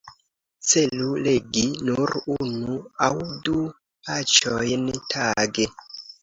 Celu legi nur unu aŭ du paĝojn tage.